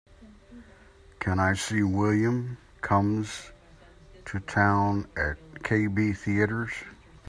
Can I see William Comes to Town at KB Theatres